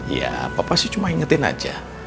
ya papa sih cuma ingetin aja